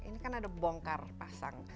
ini kan ada bongkar pasang